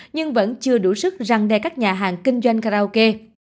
nhưng vẫn chưa đủ sức răng đe các nhà hàng kinh doanh karaoke